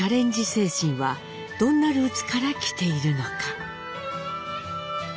精神はどんなルーツから来ているのか？